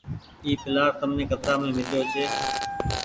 اي پلآٽ تمني ڪترآ مين ميليو ڇي۔